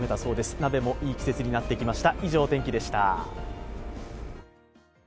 鍋もいい季節になってきました。